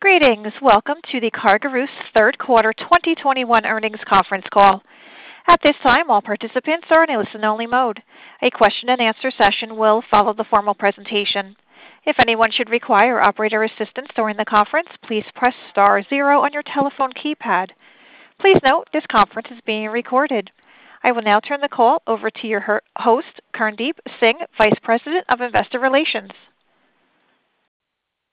Greetings. Welcome to the CarGurus third quarter 2021 earnings conference call. At this time, all participants are in a listen-only mode. A question-and-answer session will follow the formal presentation. If anyone should require operator assistance during the conference, please press star zero on your telephone keypad. Please note this conference is being recorded. I will now turn the call over to your host, Kirndeep Singh, Vice President of Investor Relations.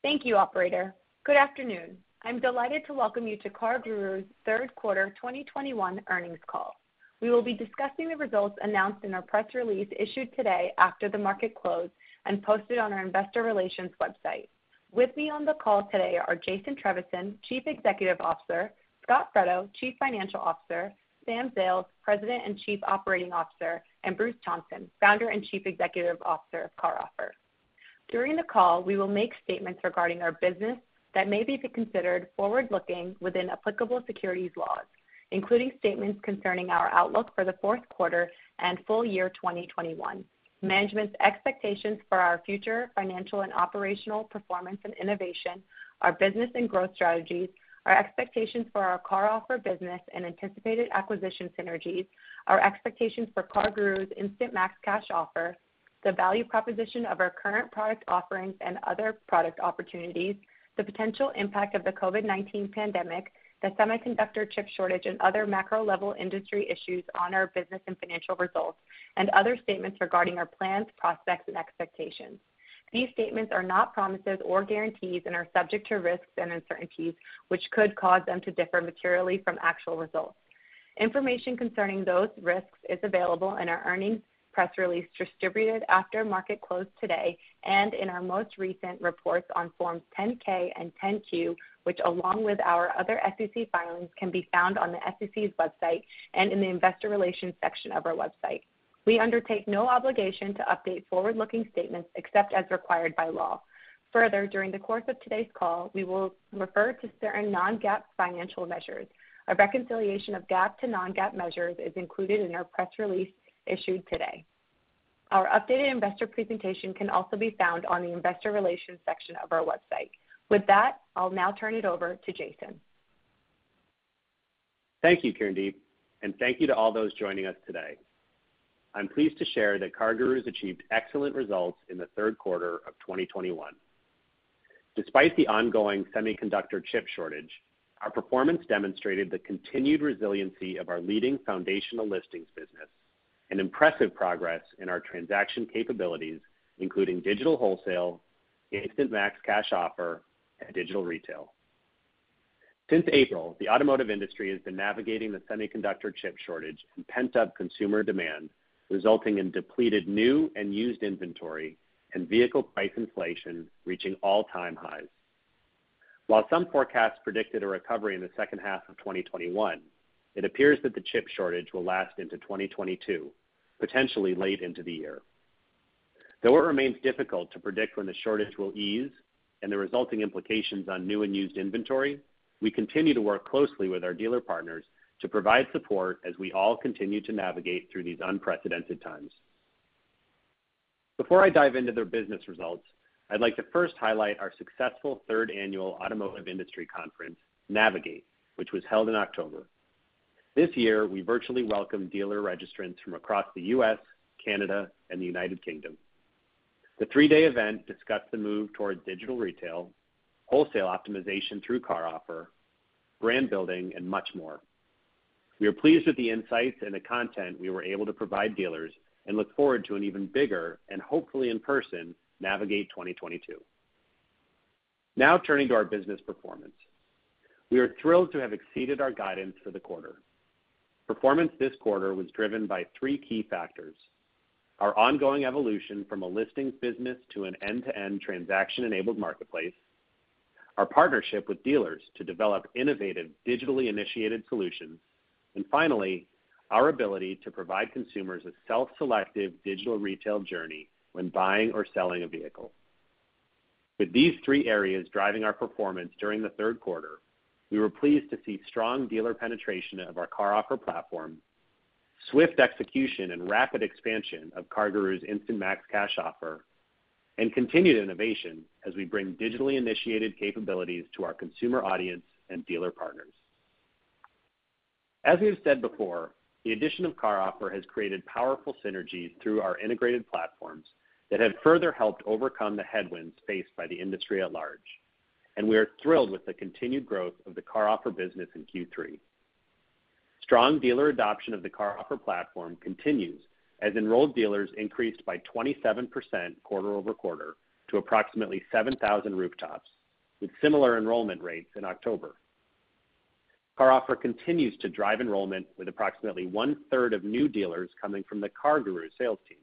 Thank you, operator. Good afternoon. I'm delighted to welcome you to CarGurus third quarter 2021 earnings call. We will be discussing the results announced in our press release issued today after the market closed and posted on our investor relations website. With me on the call today are Jason Trevisan, Chief Executive Officer, Scot Fredo, Chief Financial Officer, Sam Zales, President and Chief Operating Officer, and Bruce Thompson, Founder and Chief Executive Officer of CarOffer. During the call, we will make statements regarding our business that may be considered forward-looking within applicable securities laws, including statements concerning our outlook for the fourth quarter and full year 2021. Management's expectations for our future financial and operational performance and innovation, our business and growth strategies, our expectations for our CarOffer business and anticipated acquisition synergies, our expectations for CarGurus Instant Max Cash Offer, the value proposition of our current product offerings and other product opportunities, the potential impact of the COVID-19 pandemic, the semiconductor chip shortage, and other macro-level industry issues on our business and financial results, and other statements regarding our plans, prospects, and expectations. These statements are not promises or guarantees and are subject to risks and uncertainties which could cause them to differ materially from actual results. Information concerning those risks is available in our earnings press release distributed after market close today and in our most recent reports on Forms 10-K and 10-Q, which along with our other SEC filings, can be found on the sec's website and in the investor relations section of our website. We undertake no obligation to update forward-looking statements except as required by law. Further, during the course of today's call, we will refer to certain non-GAAP financial measures. A reconciliation of GAAP to non-GAAP measures is included in our press release issued today. Our updated investor presentation can also be found on the investor relations section of our website. With that, I'll now turn it over to Jason. Thank you, Kirndeep, and thank you to all those joining us today. I'm pleased to share that CarGurus achieved excellent results in the third quarter of 2021. Despite the ongoing semiconductor chip shortage, our performance demonstrated the continued resiliency of our leading foundational listings business and impressive progress in our transaction capabilities, including digital wholesale, Instant Max Cash Offer, and digital retail. Since April, the automotive industry has been navigating the semiconductor chip shortage and pent-up consumer demand, resulting in depleted new and used inventory and vehicle price inflation reaching all-time highs. While some forecasts predicted a recovery in the second half of 2021, it appears that the chip shortage will last into 2022, potentially late into the year. Though it remains difficult to predict when the shortage will ease and the resulting implications on new and used inventory, we continue to work closely with our dealer partners to provide support as we all continue to navigate through these unprecedented times. Before I dive into their business results, I'd like to first highlight our successful third annual automotive industry conference, Navigate, which was held in October. This year, we virtually welcomed dealer registrants from across the U.S., Canada, and the United Kingdom. The three day event discussed the move towards digital retail, wholesale optimization through CarOffer, brand building, and much more. We are pleased with the insights and the content we were able to provide dealers and look forward to an even bigger, and hopefully in person, Navigate 2022. Now turning to our business performance. We are thrilled to have exceeded our guidance for the quarter. Performance this quarter was driven by three key factors, our ongoing evolution from a listings business to an end-to-end transaction-enabled marketplace, our partnership with dealers to develop innovative, digitally initiated solutions, and finally, our ability to provide consumers a self-selective digital retail journey when buying or selling a vehicle. With these three areas driving our performance during the third quarter, we were pleased to see strong dealer penetration of our CarOffer platform, swift execution and rapid expansion of CarGurus Instant Max Cash Offer, and continued innovation as we bring digitally initiated capabilities to our consumer audience and dealer partners. As we have said before, the addition of CarOffer has created powerful synergies through our integrated platforms that have further helped overcome the headwinds faced by the industry at large, and we are thrilled with the continued growth of the CarOffer business in Q3. Strong dealer adoption of the CarOffer platform continues as enrolled dealers increased by 27% quarter-over-quarter to approximately 7,000 rooftops, with similar enrollment rates in October. CarOffer continues to drive enrollment with approximately one-third of new dealers coming from the CarGurus sales team.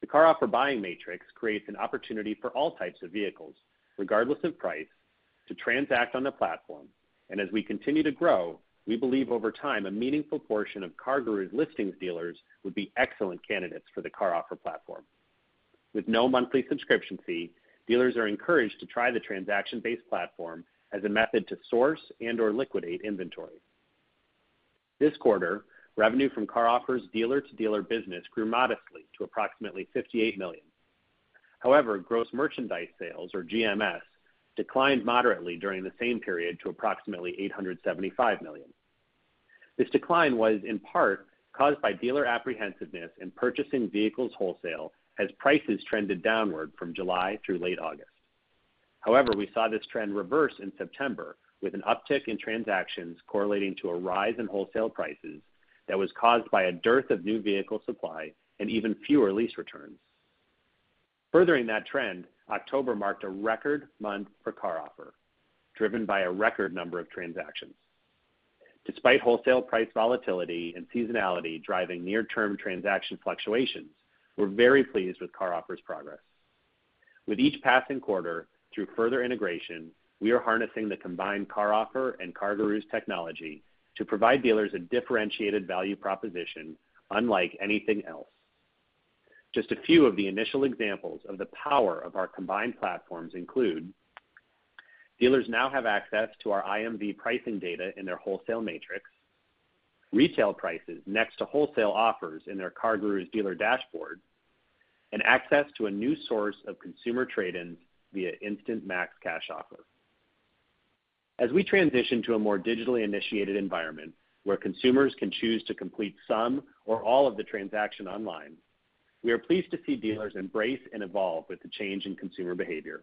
The CarOffer buying matrix creates an opportunity for all types of vehicles, regardless of price, to transact on the platform, and as we continue to grow, we believe over time a meaningful portion of CarGurus listings dealers would be excellent candidates for the CarOffer platform. With no monthly subscription fee, dealers are encouraged to try the transaction-based platform as a method to source and/or liquidate inventory. This quarter, revenue from CarOffer's dealer-to-dealer business grew modestly to approximately $58 million. However, gross merchandise sales, or GMS, declined moderately during the same period to approximately $875 million. This decline was in part caused by dealer apprehensiveness in purchasing vehicles wholesale as prices trended downward from July through late August. However, we saw this trend reverse in September with an uptick in transactions correlating to a rise in wholesale prices that was caused by a dearth of new vehicle supply and even fewer lease returns. Furthering that trend, October marked a record month for CarOffer, driven by a record number of transactions. Despite wholesale price volatility and seasonality driving near-term transaction fluctuations, we're very pleased with CarOffer's progress. With each passing quarter, through further integration, we are harnessing the combined CarOffer and CarGurus technology to provide dealers a differentiated value proposition unlike anything else. Just a few of the initial examples of the power of our combined platforms include dealers now have access to our IMV pricing data in their wholesale matrix, retail prices next to wholesale offers in their CarGurus dealer dashboard, and access to a new source of consumer trade-ins via Instant Max Cash Offer. As we transition to a more digitally initiated environment where consumers can choose to complete some or all of the transaction online, we are pleased to see dealers embrace and evolve with the change in consumer behavior.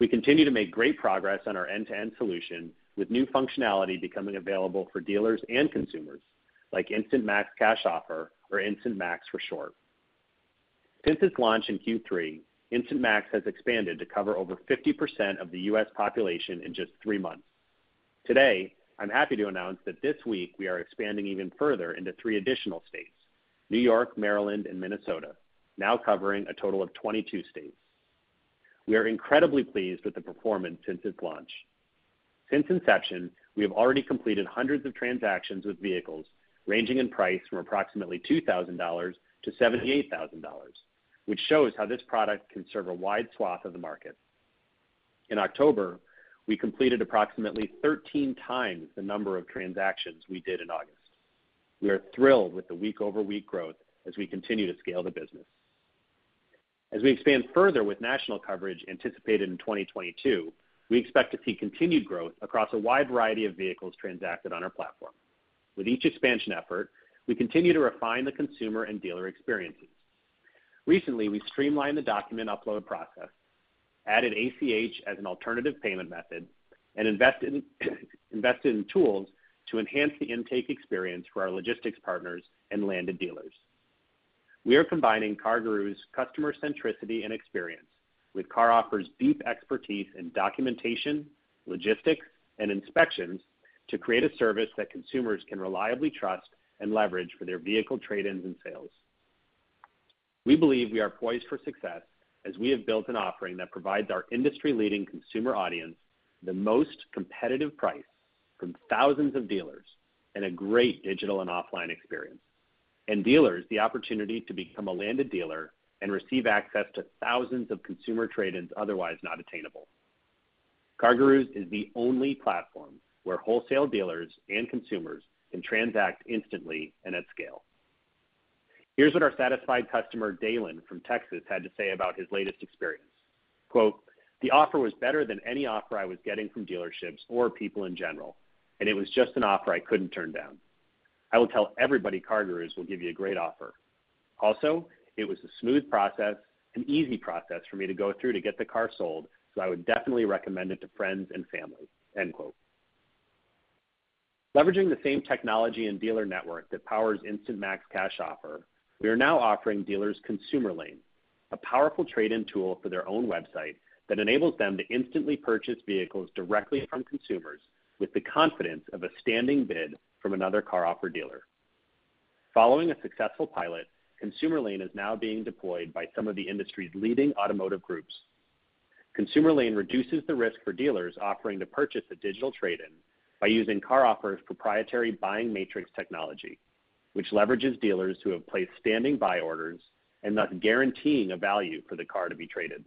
We continue to make great progress on our end-to-end solution with new functionality becoming available for dealers and consumers, like Instant Max Cash Offer or Instant Max for short. Since its launch in Q3, Instant Max has expanded to cover over 50% of the U.S. population in just three months. Today, I'm happy to announce that this week we are expanding even further into three additional states, New York, Maryland, and Minnesota, now covering a total of 22 states. We are incredibly pleased with the performance since its launch. Since inception, we have already completed hundreds of transactions with vehicles ranging in price from approximately $2,000-$78,000, which shows how this product can serve a wide swath of the market. In October, we completed approximately 13 times the number of transactions we did in August. We are thrilled with the week-over-week growth as we continue to scale the business. As we expand further with national coverage anticipated in 2022, we expect to see continued growth across a wide variety of vehicles transacted on our platform. With each expansion effort, we continue to refine the consumer and dealer experiences. Recently, we streamlined the document upload process, added ACH as an alternative payment method, and invested in tools to enhance the intake experience for our logistics partners and landed dealers. We are combining CarGurus' customer centricity and experience with CarOffer's deep expertise in documentation, logistics, and inspections to create a service that consumers can reliably trust and leverage for their vehicle trade-ins and sales. We believe we are poised for success as we have built an offering that provides our industry-leading consumer audience the most competitive price from thousands of dealers and a great digital and offline experience, and dealers the opportunity to become a landed dealer and receive access to thousands of consumer trade-ins otherwise not attainable. CarGurus is the only platform where wholesale dealers and consumers can transact instantly and at scale. Here's what our satisfied customer, Daylan from Texas, had to say about his latest experience. Quote, The offer was better than any offer I was getting from dealerships or people in general, and it was just an offer I couldn't turn down. I will tell everybody CarGurus will give you a great offer. Also, it was a smooth process, an easy process for me to go through to get the car sold, so I would definitely recommend it to friends and family. End quote. Leveraging the same technology and dealer network that powers Instant Max Cash Offer, we are now offering dealers ConsumerLane, a powerful trade-in tool for their own website that enables them to instantly purchase vehicles directly from consumers with the confidence of a standing bid from another CarOffer dealer. Following a successful pilot, ConsumerLane is now being deployed by some of the industry's leading automotive groups. ConsumerLane reduces the risk for dealers offering to purchase a digital trade-in by using CarOffer's proprietary buying matrix technology, which leverages dealers who have placed standing buy orders and thus guaranteeing a value for the car to be traded.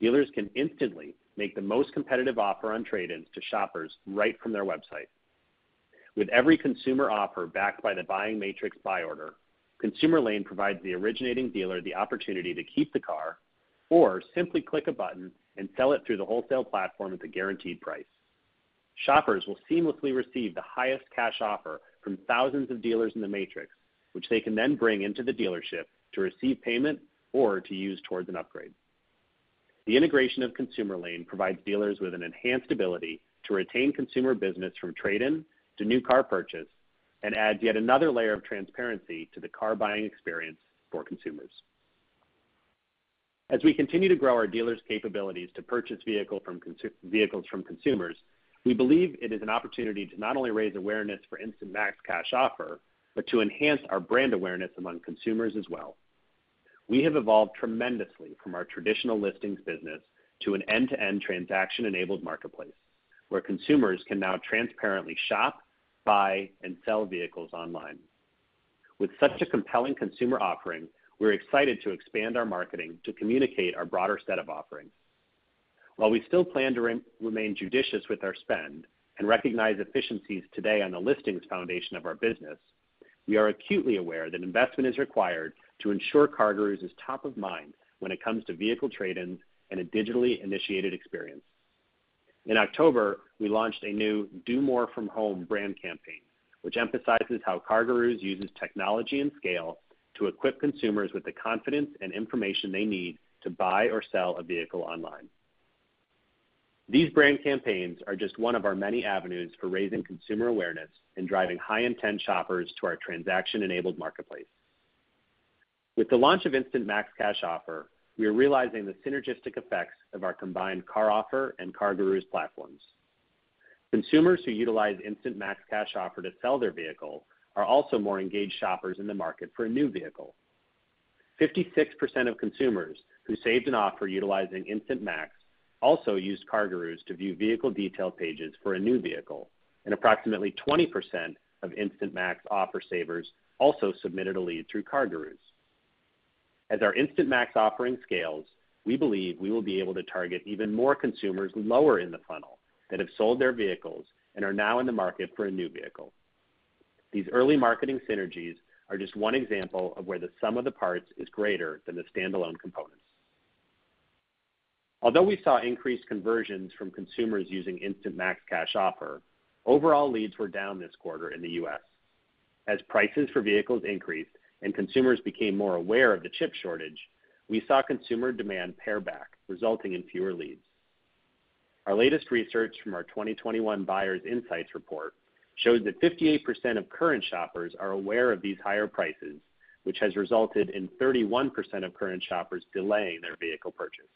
Dealers can instantly make the most competitive offer on trade-ins to shoppers right from their website. With every consumer offer backed by the buying matrix buy order, ConsumerLane provides the originating dealer the opportunity to keep the car or simply click a button and sell it through the wholesale platform at the guaranteed price. Shoppers will seamlessly receive the highest cash offer from thousands of dealers in the matrix, which they can then bring into the dealership to receive payment or to use towards an upgrade. The integration of ConsumerLane provides dealers with an enhanced ability to retain consumer business from trade-in to new car purchase and adds yet another layer of transparency to the car buying experience for consumers. As we continue to grow our dealers' capabilities to purchase vehicles from consumers, we believe it is an opportunity to not only raise awareness for Instant Max Cash Offer, but to enhance our brand awareness among consumers as well. We have evolved tremendously from our traditional listings business to an end-to-end transaction-enabled marketplace, where consumers can now transparently shop, buy, and sell vehicles online. With such a compelling consumer offering, we're excited to expand our marketing to communicate our broader set of offerings. While we still plan to remain judicious with our spend and recognize efficiencies today on the listings foundation of our business, we are acutely aware that investment is required to ensure CarGurus is top of mind when it comes to vehicle trade-ins and a digitally initiated experience. In October, we launched a new Do More From Home brand campaign, which emphasizes how CarGurus uses technology and scale to equip consumers with the confidence and information they need to buy or sell a vehicle online. These brand campaigns are just one of our many avenues for raising consumer awareness and driving high-intent shoppers to our transaction-enabled marketplace. With the launch of Instant Max Cash Offer, we are realizing the synergistic effects of our combined CarOffer and CarGurus platforms. Consumers who utilize Instant Max Cash Offer to sell their vehicle are also more engaged shoppers in the market for a new vehicle. 56% of consumers who saved an offer utilizing Instant Max also used CarGurus to view vehicle detail pages for a new vehicle, and approximately 20% of Instant Max offer savers also submitted a lead through CarGurus. As our Instant Max offering scales, we believe we will be able to target even more consumers lower in the funnel that have sold their vehicles and are now in the market for a new vehicle. These early marketing synergies are just one example of where the sum of the parts is greater than the standalone components. Although we saw increased conversions from consumers using Instant Max Cash Offer, overall leads were down this quarter in the U.S. As prices for vehicles increased and consumers became more aware of the chip shortage, we saw consumer demand pare back, resulting in fewer leads. Our latest research from our 2021 Buyer Insight Report shows that 58% of current shoppers are aware of these higher prices, which has resulted in 31% of current shoppers delaying their vehicle purchase.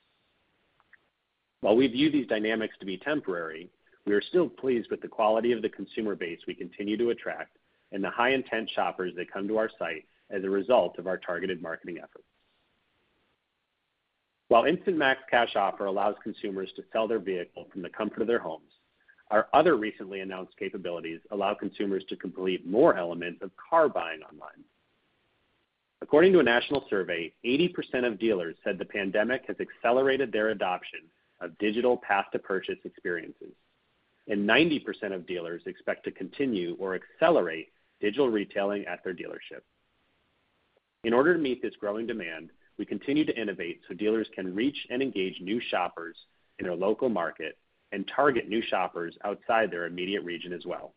While we view these dynamics to be temporary, we are still pleased with the quality of the consumer base we continue to attract and the high-intent shoppers that come to our site as a result of our targeted marketing efforts. While Instant Max Cash Offer allows consumers to sell their vehicle from the comfort of their homes, our other recently announced capabilities allow consumers to complete more elements of car buying online. According to a national survey, 80% of dealers said the pandemic has accelerated their adoption of digital path to purchase experiences, and 90% of dealers expect to continue or accelerate digital retailing at their dealership. In order to meet this growing demand, we continue to innovate so dealers can reach and engage new shoppers in their local market and target new shoppers outside their immediate region as well.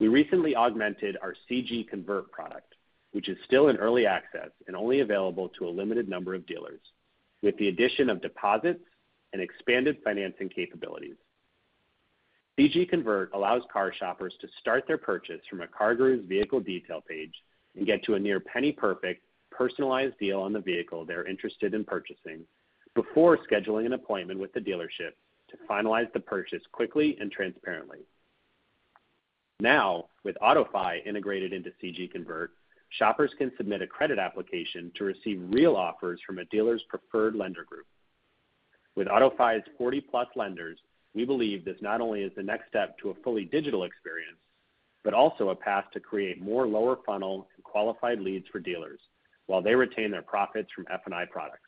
We recently augmented our CG Convert product, which is still in early access and only available to a limited number of dealers, with the addition of deposits and expanded financing capabilities. CG Convert allows car shoppers to start their purchase from a CarGurus vehicle detail page and get to a near penny perfect personalized deal on the vehicle they're interested in purchasing before scheduling an appointment with the dealership to finalize the purchase quickly and transparently. Now, with AutoFi integrated into CG Convert, shoppers can submit a credit application to receive real offers from a dealer's preferred lender group. With AutoFi's 40+ lenders, we believe this not only is the next step to a fully digital experience, but also a path to create more lower funnel and qualified leads for dealers while they retain their profits from F&I products.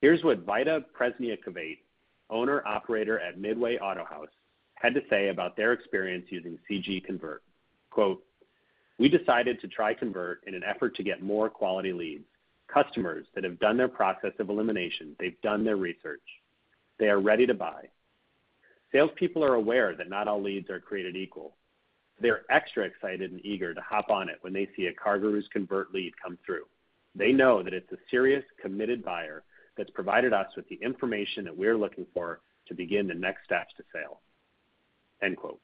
Here's what Vaida Presniakovaite, owner, operator at Midway Autohaus, had to say about their experience using CG Convert. Quote, We decided to try Convert in an effort to get more quality leads, customers that have done their process of elimination. They've done their research. They are ready to buy. Salespeople are aware that not all leads are created equal. They're extra excited and eager to hop on it when they see a CarGurus Convert lead come through. They know that it's a serious, committed buyer that's provided us with the information that we're looking for to begin the next steps to sale. End quote.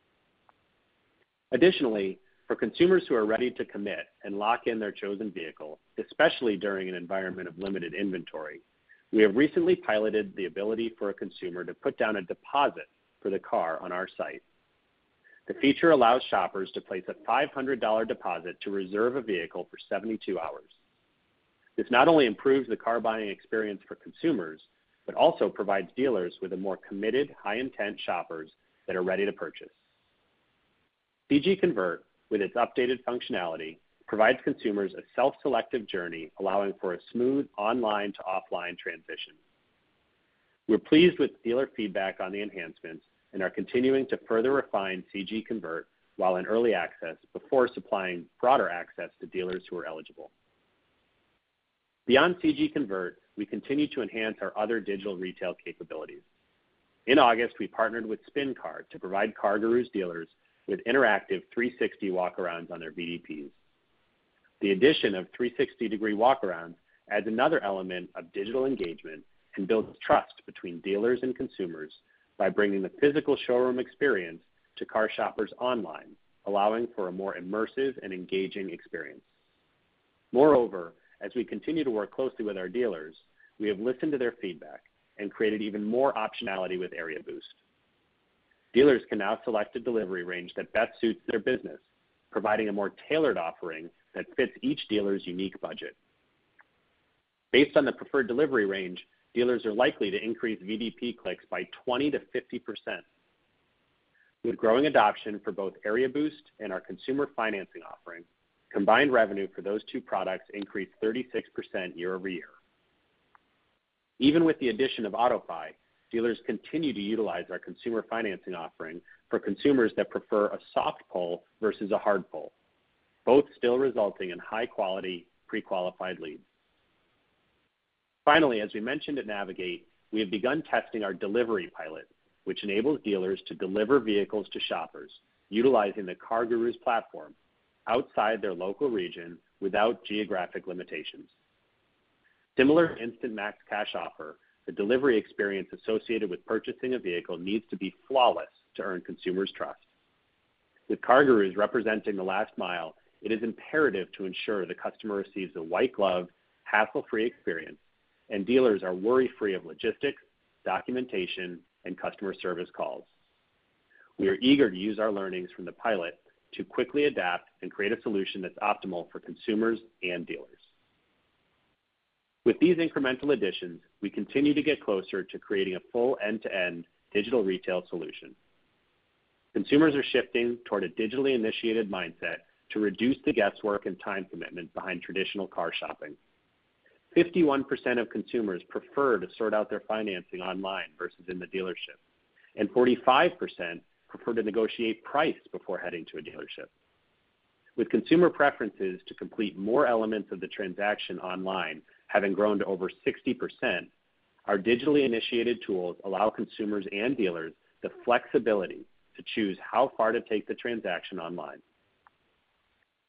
Additionally, for consumers who are ready to commit and lock in their chosen vehicle, especially during an environment of limited inventory, we have recently piloted the ability for a consumer to put down a deposit for the car on our site. The feature allows shoppers to place a $500 deposit to reserve a vehicle for 72 hours. This not only improves the car buying experience for consumers, but also provides dealers with a more committed, high-intent shoppers that are ready to purchase. CG Convert, with its updated functionality, provides consumers a self-selective journey, allowing for a smooth online to offline transition. We're pleased with dealer feedback on the enhancements and are continuing to further refine CG Convert while in early access before supplying broader access to dealers who are eligible. Beyond CG Convert, we continue to enhance our other digital retail capabilities. In August, we partnered with SpinCar to provide CarGurus dealers with interactive 360 walkarounds on their VDPs. The addition of 360-degree walkarounds adds another element of digital engagement and builds trust between dealers and consumers by bringing the physical showroom experience to car shoppers online, allowing for a more immersive and engaging experience. Moreover, as we continue to work closely with our dealers, we have listened to their feedback and created even more optionality with Area Boost. Dealers can now select a delivery range that best suits their business, providing a more tailored offering that fits each dealer's unique budget. Based on the preferred delivery range, dealers are likely to increase VDP clicks by 20%-50%. With growing adoption for both Area Boost and our consumer financing offering, combined revenue for those two products increased 36% year-over-year. Even with the addition of AutoFi, dealers continue to utilize our consumer financing offering for consumers that prefer a soft pull versus a hard pull, both still resulting in high quality, pre-qualified leads. Finally, as we mentioned at Navigate, we have begun testing our delivery pilot, which enables dealers to deliver vehicles to shoppers utilizing the CarGurus platform outside their local region without geographic limitations. Similar to Instant Max Cash Offer, the delivery experience associated with purchasing a vehicle needs to be flawless to earn consumers' trust. With CarGurus representing the last mile, it is imperative to ensure the customer receives a white glove, hassle-free experience, and dealers are worry-free of logistics, documentation, and customer service calls. We are eager to use our learnings from the pilot to quickly adapt and create a solution that's optimal for consumers and dealers. With these incremental additions, we continue to get closer to creating a full end-to-end digital retail solution. Consumers are shifting toward a digitally initiated mindset to reduce the guesswork and time commitment behind traditional car shopping. 51% of consumers prefer to sort out their financing online versus in the dealership, and 45% prefer to negotiate price before heading to a dealership. With consumer preferences to complete more elements of the transaction online having grown to over 60%, our digitally initiated tools allow consumers and dealers the flexibility to choose how far to take the transaction online.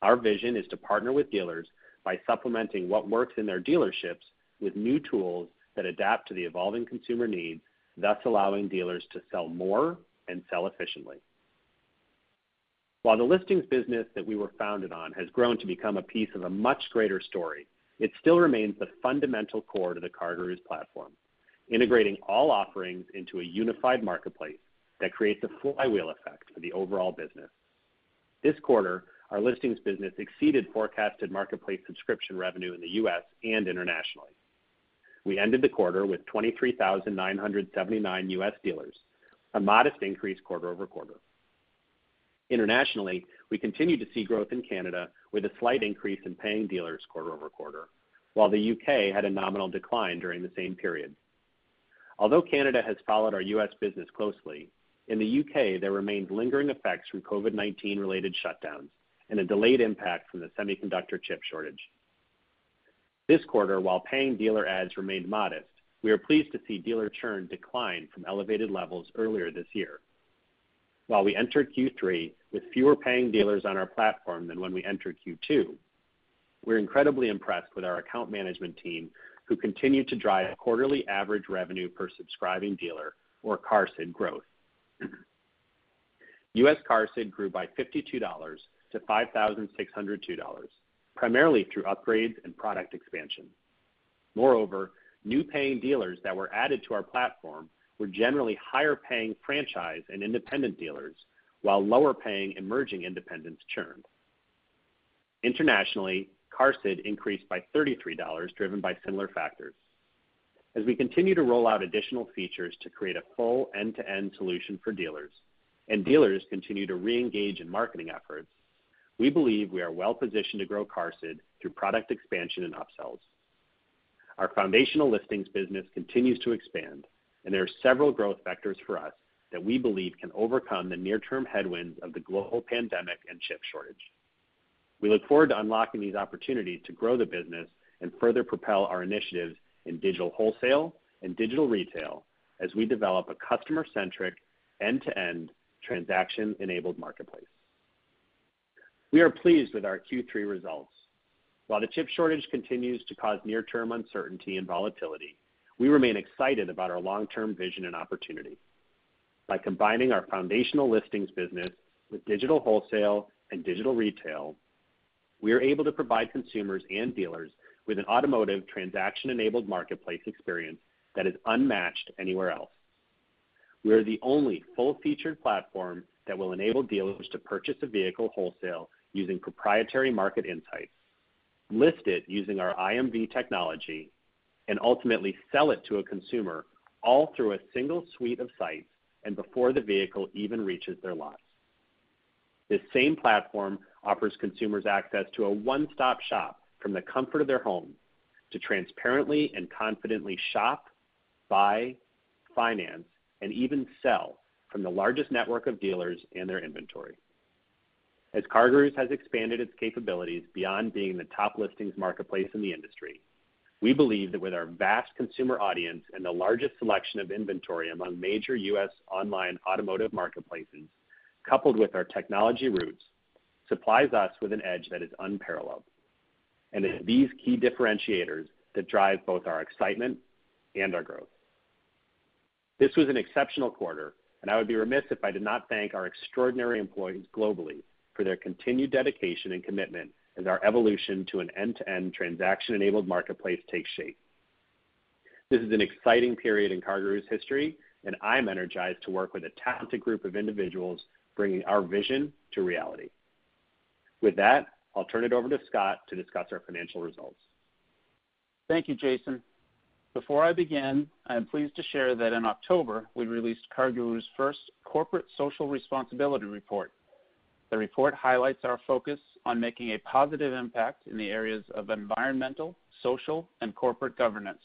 Our vision is to partner with dealers by supplementing what works in their dealerships with new tools that adapt to the evolving consumer needs, thus allowing dealers to sell more and sell efficiently. While the listings business that we were founded on has grown to become a piece of a much greater story, it still remains the fundamental core to the CarGurus platform, integrating all offerings into a unified marketplace that creates a flywheel effect for the overall business. This quarter, our listings business exceeded forecasted marketplace subscription revenue in the U.S. and internationally. We ended the quarter with 23,979 U.S. dealers, a modest increase quarter-over-quarter. Internationally, we continue to see growth in Canada with a slight increase in paying dealers quarter over quarter, while the U.K. had a nominal decline during the same period. Although Canada has followed our U.S. business closely, in the U.K., there remains lingering effects from COVID-19 related shutdowns and a delayed impact from the semiconductor chip shortage. This quarter, while paying dealer ads remained modest, we are pleased to see dealer churn decline from elevated levels earlier this year. While we entered Q3 with fewer paying dealers on our platform than when we entered Q2, we're incredibly impressed with our account management team, who continue to drive quarterly average revenue per subscribing dealer or QARSD growth. U.S. QARSD grew by $52 to $5,602, primarily through upgrades and product expansion. Moreover, new paying dealers that were added to our platform were generally higher paying franchise and independent dealers, while lower paying emerging independents churned. Internationally, QARSD increased by $33, driven by similar factors. As we continue to roll out additional features to create a full end-to-end solution for dealers and dealers continue to reengage in marketing efforts, we believe we are well-positioned to grow QARSD through product expansion and upsells. Our foundational listings business continues to expand, and there are several growth vectors for us that we believe can overcome the near-term headwinds of the global pandemic and chip shortage. We look forward to unlocking these opportunities to grow the business and further propel our initiatives in digital wholesale and digital retail as we develop a customer-centric, end-to-end, transaction-enabled marketplace. We are pleased with our Q3 results. While the chip shortage continues to cause near-term uncertainty and volatility, we remain excited about our long-term vision and opportunity. By combining our foundational listings business with digital wholesale and digital retail, we are able to provide consumers and dealers with an automotive transaction-enabled marketplace experience that is unmatched anywhere else. We are the only full-featured platform that will enable dealers to purchase a vehicle wholesale using proprietary market insights, list it using our IMV technology, and ultimately sell it to a consumer all through a single suite of sites and before the vehicle even reaches their lots. This same platform offers consumers access to a one-stop shop from the comfort of their home to transparently and confidently shop, buy, finance, and even sell from the largest network of dealers and their inventory. As CarGurus has expanded its capabilities beyond being the top listings marketplace in the industry, we believe that with our vast consumer audience and the largest selection of inventory among major U.S. online automotive marketplaces, coupled with our technology roots, supplies us with an edge that is unparalleled. It's these key differentiators that drive both our excitement and our growth. This was an exceptional quarter, and I would be remiss if I did not thank our extraordinary employees globally for their continued dedication and commitment as our evolution to an end-to-end transaction-enabled marketplace takes shape. This is an exciting period in CarGurus history, and I'm energized to work with a talented group of individuals bringing our vision to reality. With that, I'll turn it over to Scot to discuss our financial results. Thank you, Jason. Before I begin, I am pleased to share that in October, we released CarGurus' first corporate social responsibility report. The report highlights our focus on making a positive impact in the areas of environmental, social, and corporate governance.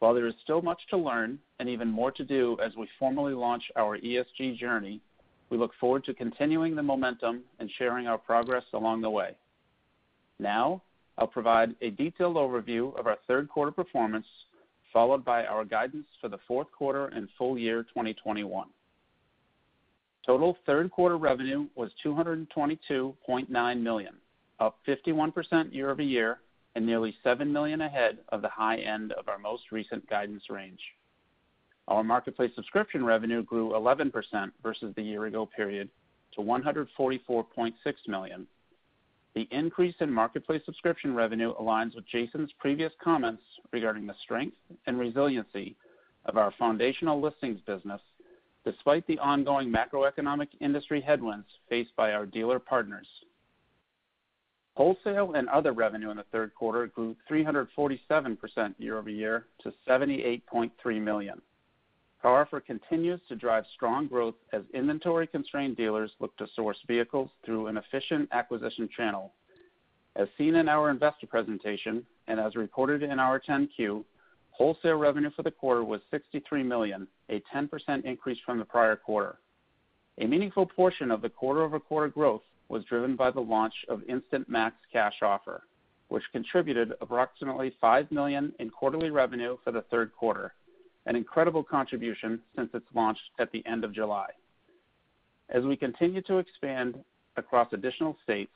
While there is still much to learn and even more to do as we formally launch our ESG journey, we look forward to continuing the momentum and sharing our progress along the way. Now I'll provide a detailed overview of our third quarter performance, followed by our guidance for the fourth quarter and full year 2021. Total third quarter revenue was $222.9 million, up 51% year-over-year, and nearly $7 million ahead of the high end of our most recent guidance range. Our marketplace subscription revenue grew 11% versus the year ago period to $144.6 million. The increase in marketplace subscription revenue aligns with Jason's previous comments regarding the strength and resiliency of our foundational listings business, despite the ongoing macroeconomic industry headwinds faced by our dealer partners. Wholesale and other revenue in the third quarter grew 347% year-over-year to $78.3 million. CarOffer continues to drive strong growth as inventory-constrained dealers look to source vehicles through an efficient acquisition channel. As seen in our investor presentation and as reported in our 10-Q, wholesale revenue for the quarter was $63 million, a 10% increase from the prior quarter. A meaningful portion of the quarter-over-quarter growth was driven by the launch of Instant Max Cash Offer, which contributed approximately $5 million in quarterly revenue for the third quarter, an incredible contribution since its launch at the end of July. As we continue to expand across additional states,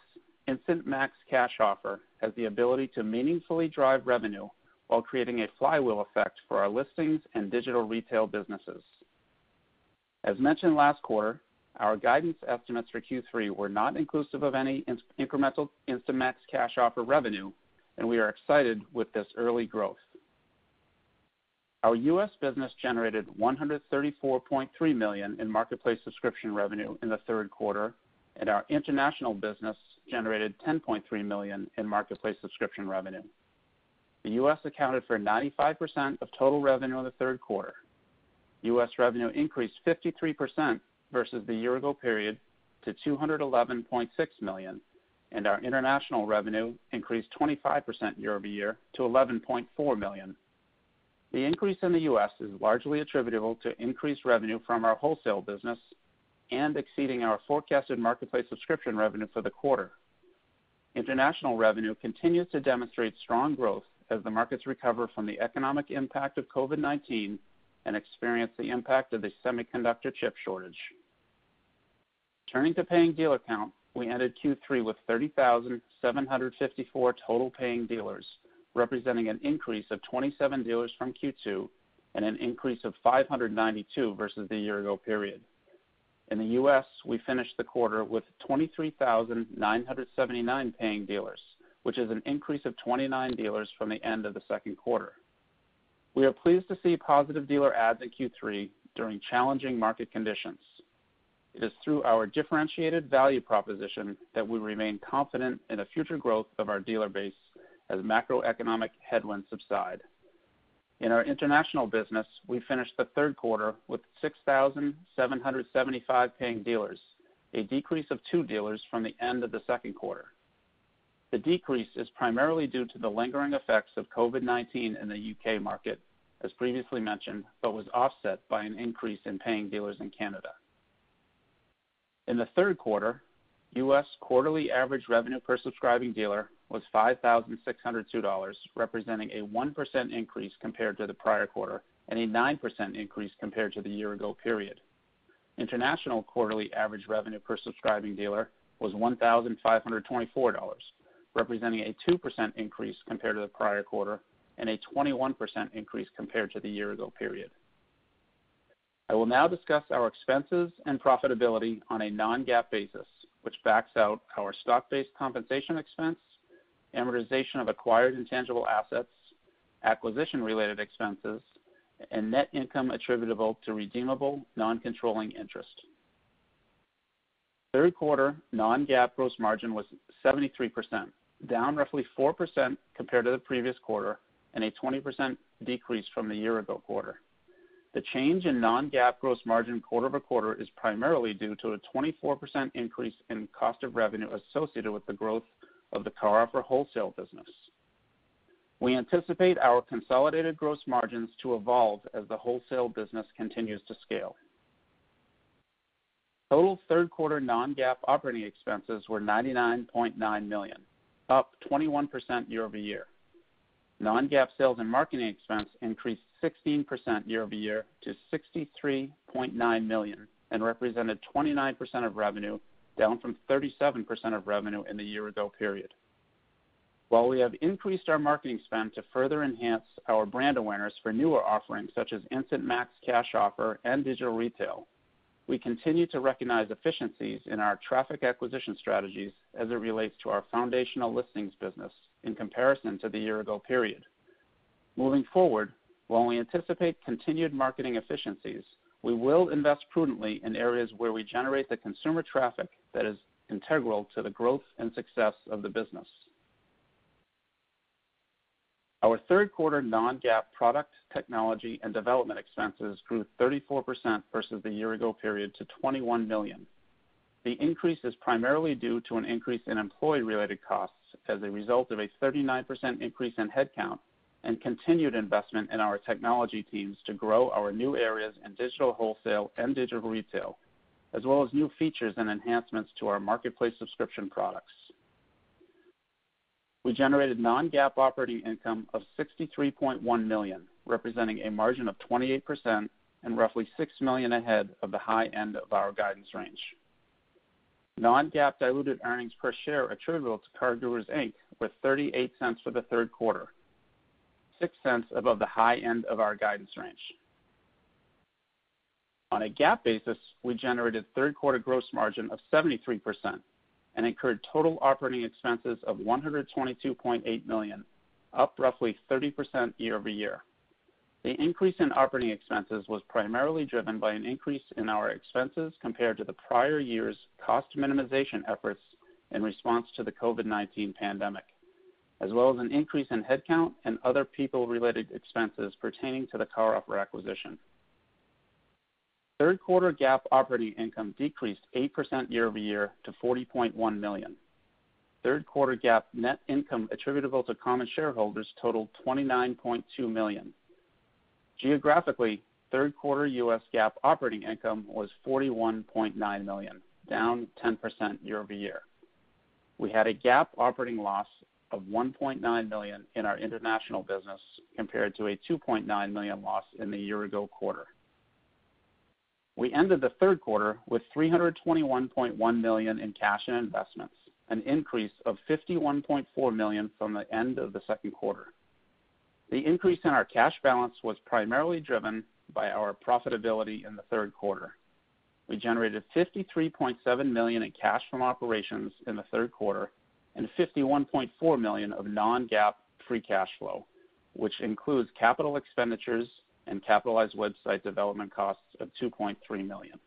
Instant Max Cash Offer has the ability to meaningfully drive revenue while creating a flywheel effect for our listings and digital retail businesses. As mentioned last quarter, our guidance estimates for Q3 were not inclusive of any incremental Instant Max Cash Offer revenue, and we are excited with this early growth. Our U.S. business generated $134.3 million in marketplace subscription revenue in the third quarter, and our international business generated $10.3 million in marketplace subscription revenue. The U.S. accounted for 95% of total revenue in the third quarter. U.S. revenue increased 53% versus the year ago period to $211.6 million, and our international revenue increased 25% year-over-year to $11.4 million. The increase in the U.S. is largely attributable to increased revenue from our wholesale business and exceeding our forecasted marketplace subscription revenue for the quarter. International revenue continues to demonstrate strong growth as the markets recover from the economic impact of COVID-19 and experience the impact of the semiconductor chip shortage. Turning to paying dealer count, we ended Q3 with 30,754 total paying dealers, representing an increase of 27 dealers from Q2 and an increase of 592 versus the year ago period. In the U.S., we finished the quarter with 23,979 paying dealers, which is an increase of 29 dealers from the end of the second quarter. We are pleased to see positive dealer adds in Q3 during challenging market conditions. It is through our differentiated value proposition that we remain confident in the future growth of our dealer base as macroeconomic headwinds subside. In our international business, we finished the third quarter with 6,775 paying dealers, a decrease of two dealers from the end of the second quarter. The decrease is primarily due to the lingering effects of COVID-19 in the U.K. market, as previously mentioned, but was offset by an increase in paying dealers in Canada. In the third quarter, U.S. quarterly average revenue per subscribing dealer was $5,602, representing a 1% increase compared to the prior quarter and a 9% increase compared to the year-ago period. International quarterly average revenue per subscribing dealer was $1,524, representing a 2% increase compared to the prior quarter and a 21% increase compared to the year-ago period. I will now discuss our expenses and profitability on a non-GAAP basis, which backs out our stock-based compensation expense, amortization of acquired intangible assets, acquisition-related expenses, and net income attributable to redeemable non-controlling interest. Third quarter non-GAAP gross margin was 73%, down roughly 4% compared to the previous quarter and a 20% decrease from the year-ago quarter. The change in non-GAAP gross margin quarter-over-quarter is primarily due to a 24% increase in cost of revenue associated with the growth of the CarOffer wholesale business. We anticipate our consolidated gross margins to evolve as the wholesale business continues to scale. Total third quarter non-GAAP operating expenses were $99.9 million, up 21% year-over-year. Non-GAAP sales and marketing expense increased 16% year-over-year to $63.9 million and represented 29% of revenue, down from 37% of revenue in the year ago period. While we have increased our marketing spend to further enhance our brand awareness for newer offerings such as Instant Max Cash Offer and digital retail, we continue to recognize efficiencies in our traffic acquisition strategies as it relates to our foundational listings business in comparison to the year ago period. Moving forward, while we anticipate continued marketing efficiencies, we will invest prudently in areas where we generate the consumer traffic that is integral to the growth and success of the business. Our third quarter non-GAAP product, technology, and development expenses grew 34% versus the year ago period to $21 million. The increase is primarily due to an increase in employee-related costs as a result of a 39% increase in headcount and continued investment in our technology teams to grow our new areas in digital wholesale and digital retail, as well as new features and enhancements to our marketplace subscription products. We generated non-GAAP operating income of $63.1 million, representing a margin of 28% and roughly $6 million ahead of the high end of our guidance range. Non-GAAP diluted earnings per share attributable to CarGurus, Inc. was $0.38 for the third quarter, $0.06 above the high end of our guidance range. On a GAAP basis, we generated third quarter gross margin of 73% and incurred total operating expenses of $122.8 million, up roughly 30% year over year. The increase in operating expenses was primarily driven by an increase in our expenses compared to the prior year's cost minimization efforts in response to the COVID-19 pandemic, as well as an increase in headcount and other people-related expenses pertaining to the CarOffer acquisition. Third quarter GAAP operating income decreased 8% year-over-year to $40.1 million. Third quarter GAAP net income attributable to common shareholders totaled $29.2 million. Geographically, third quarter U.S. GAAP operating income was $41.9 million, down 10% year-over-year. We had a GAAP operating loss of $1.9 million in our international business compared to a $2.9 million loss in the year ago quarter. We ended the third quarter with $321.1 million in cash and investments, an increase of $51.4 million from the end of the second quarter. The increase in our cash balance was primarily driven by our profitability in the third quarter. We generated $53.7 million in cash from operations in the third quarter and $51.4 million of non-GAAP free cash flow, which includes capital expenditures and capitalized website development costs of $2.3 million.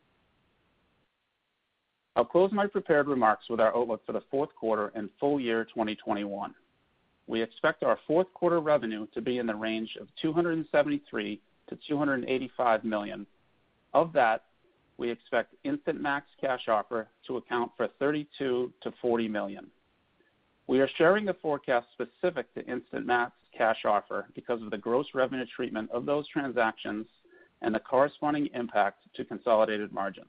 I'll close my prepared remarks with our outlook for the fourth quarter and full year 2021. We expect our fourth quarter revenue to be in the range of $273 million-$285 million. Of that, we expect Instant Max Cash Offer to account for $32 million-$40 million. We are sharing the forecast specific to Instant Max Cash Offer because of the gross revenue treatment of those transactions and the corresponding impact to consolidated margins.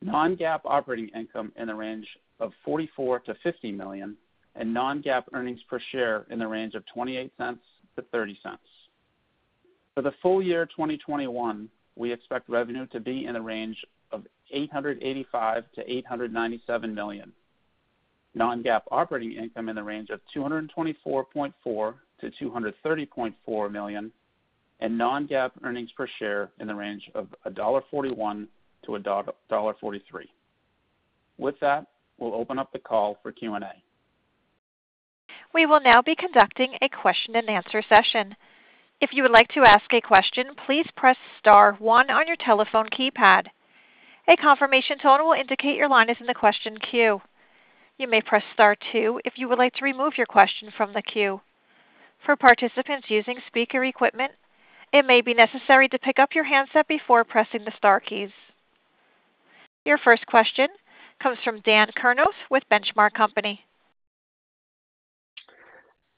Non-GAAP operating income in the range of $44 million-$50 million and non-GAAP earnings per share in the range of $0.28-$0.30. For the full year 2021, we expect revenue to be in the range of $885 million-$897 million. Non-GAAP operating income in the range of $224.4 million-$230.4 million, and non-GAAP earnings per share in the range of $1.41-$1.43. With that, we'll open up the call for Q&A. We will now be conducting a question-and-answer session. If you would like to ask a question, please press star one on your telephone keypad. A confirmation tone will indicate your line is in the question queue. You may press star two if you would like to remove your question from the queue. For participants using speaker equipment, it may be necessary to pick up your handset before pressing the star keys. Your first question comes from Dan Kurnos with Benchmark Company.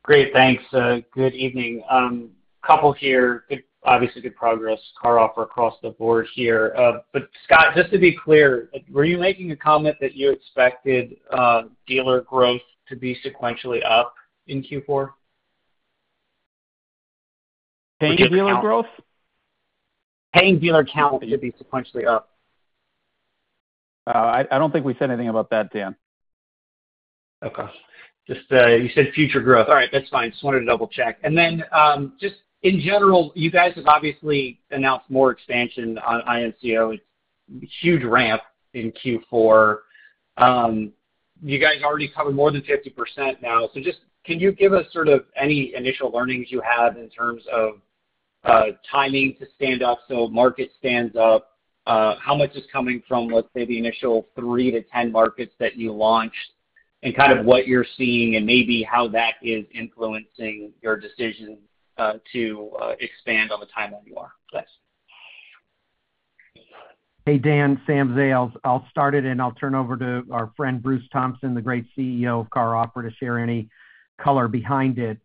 Great, thanks. Good evening. Couple here. Obviously good progress, CarOffer across the board here. Scot, just to be clear, were you making a comment that you expected dealer growth to be sequentially up in Q4? Paying dealer growth? Paying dealer count to be sequentially up. I don't think we said anything about that, Dan. Okay. Just, you said future growth. All right, that's fine. Just wanted to double-check. Just in general, you guys have obviously announced more expansion on IMCO. It's huge ramp in Q4. You guys already covered more than 50% now. Can you give us sort of any initial learnings you have in terms of timing to stand up, so market stands up? How much is coming from, let's say, the initial three to 10 markets that you launched? Kind of what you're seeing and maybe how that is influencing your decision to expand on the timeline you are. Thanks. Hey, Dan. Sam Zales. I'll start it, and I'll turn over to our friend Bruce Thompson, the great CEO of CarOffer, to share any color behind it.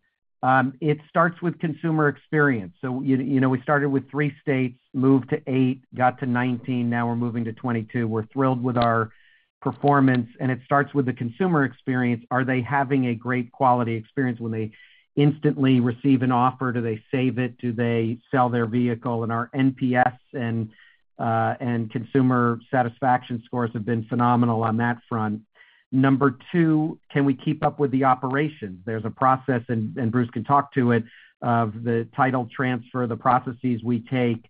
It starts with consumer experience. You know, we started with three states, moved to eight, got to 19, now we're moving to 22. We're thrilled with our performance, and it starts with the consumer experience. Are they having a great quality experience when they instantly receive an offer? Do they save it? Do they sell their vehicle? Our NPS and consumer satisfaction scores have been phenomenal on that front. Number two, can we keep up with the operations? There's a process, and Bruce can talk to it, of the title transfer, the processes we take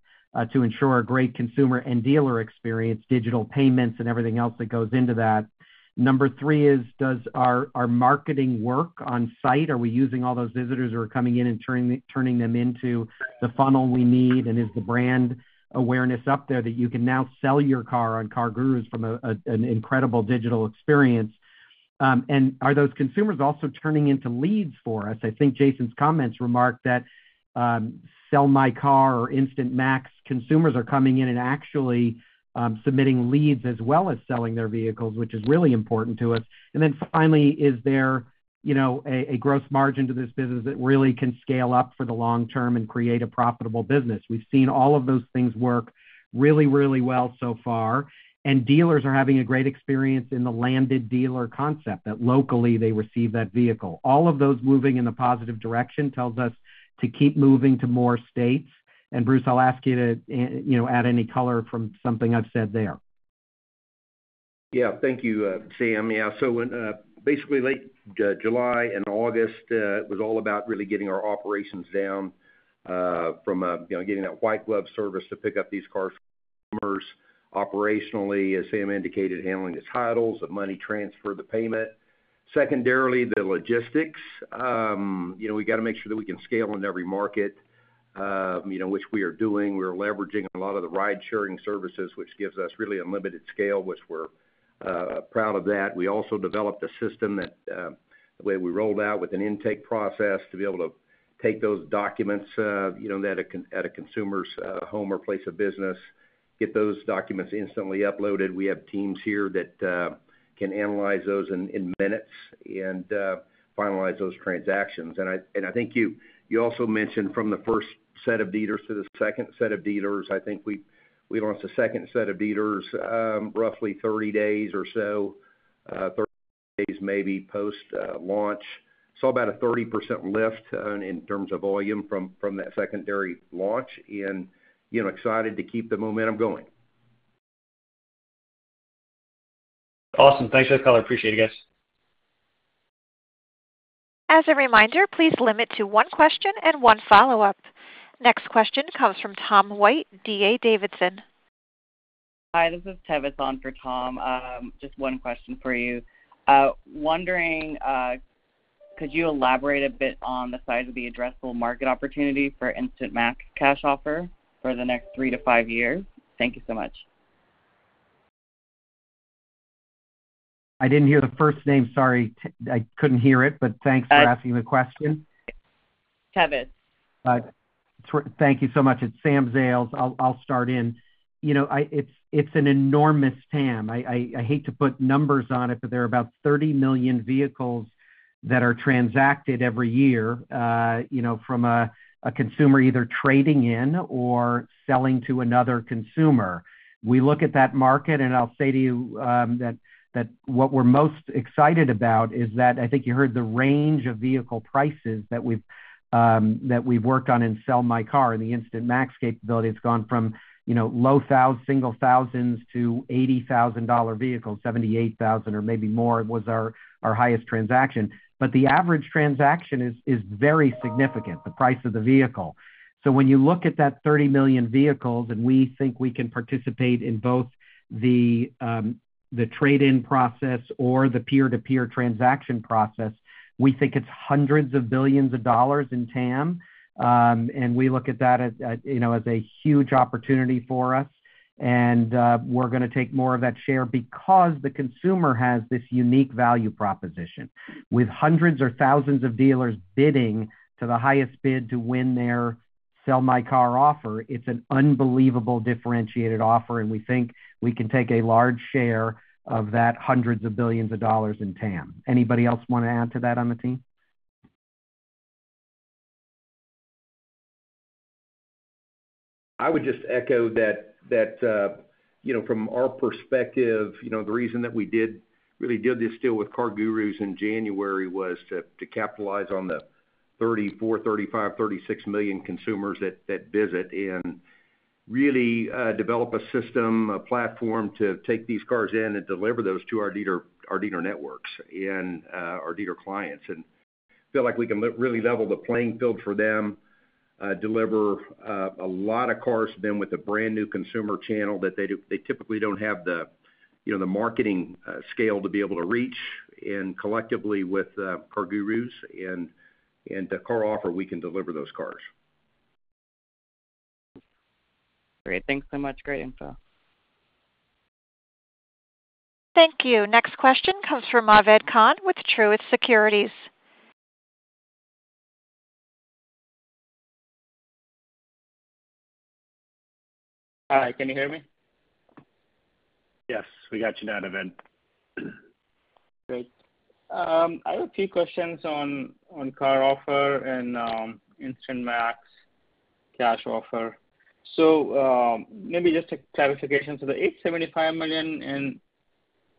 to ensure a great consumer and dealer experience, digital payments and everything else that goes into that. Number three is does our marketing work on site? Are we using all those visitors who are coming in and turning them into the funnel we need? Is the brand awareness up there that you can now sell your car on CarGurus from an incredible digital experience? Are those consumers also turning into leads for us? I think Jason's comments remarked that, Sell My Car or Instant Max consumers are coming in and actually submitting leads as well as selling their vehicles, which is really important to us. Then finally, is there, you know, a gross margin to this business that really can scale up for the long term and create a profitable business? We've seen all of those things work really, really well so far, and dealers are having a great experience in the landed dealer concept that locally they receive that vehicle. All of those moving in a positive direction tells us to keep moving to more states. Bruce, I'll ask you to, you know, add any color from something I've said there. Yeah. Thank you, Sam. Yeah. When basically late July and August was all about really getting our operations down from you know getting that white glove service to pick up these cars from customers operationally as Sam indicated handling the titles the money transfer the payment. Secondarily the logistics. You know we got to make sure that we can scale in every market you know which we are doing. We're leveraging a lot of the ride-sharing services which gives us really unlimited scale which we're proud of that. We also developed a system that the way we rolled out with an intake process to be able to take those documents you know at a consumer's home or place of business get those documents instantly uploaded. We have teams here that can analyze those in minutes and finalize those transactions. I think you also mentioned from the first set of dealers to the second set of dealers. I think we launched a second set of dealers, roughly 30 days or so, 30 days maybe post launch. Saw about a 30% lift in terms of volume from that secondary launch and, you know, excited to keep the momentum going. Awesome. Thanks for the color. Appreciate it, guys. As a reminder, please limit to one question and one follow-up. Next question comes from Tom White, D.A. Davidson. Hi, this is Tevis on for Tom. Just one question for you. Wondering, could you elaborate a bit on the size of the addressable market opportunity for Instant Max Cash Offer for the next three to five years? Thank you so much. I didn't hear the first name. Sorry, I couldn't hear it, but thanks for asking the question. Tevis. Thank you so much. It's Sam Zales. I'll start in. You know, it's an enormous TAM. I hate to put numbers on it, but there are about 30 million vehicles that are transacted every year, you know, from a consumer either trading in or selling to another consumer. We look at that market, and I'll say to you, that what we're most excited about is that I think you heard the range of vehicle prices that we've worked on in Sell My Car and the Instant Max capability. It's gone from, you know, single thousands to $80,000 vehicles, $78,000 or maybe more was our highest transaction. But the average transaction is very significant, the price of the vehicle. When you look at that 30 million vehicles, we think we can participate in both the trade-in process or the peer-to-peer transaction process. We think it's hundreds of billions of dollars in TAM. We look at that as, you know, a huge opportunity for us. We're gonna take more of that share because the consumer has this unique value proposition. With hundreds or thousands of dealers bidding to the highest bid to win their Sell My Car offer, it's an unbelievable differentiated offer, and we think we can take a large share of that hundreds of billions of dollars in TAM. Anybody else want to add to that on the team? I would just echo that you know, from our perspective, you know, the reason that we did, really did this deal with CarGurus in January was to capitalize on the 34, 35, 36 million consumers that visit and really develop a system, a platform to take these cars in and deliver those to our dealer networks and our dealer clients. Feel like we can really level the playing field for them, deliver a lot of cars to them with a brand-new consumer channel that they typically don't have the, you know, the marketing scale to be able to reach. Collectively with CarGurus and the CarOffer, we can deliver those cars. Great. Thanks so much. Great info. Thank you. Next question comes from Naved Khan with Truist Securities. Hi. Can you hear me? Yes. We got you now, Naved. Great. I have a few questions on CarOffer and Instant Max Cash Offer. Maybe just a clarification. The $875 million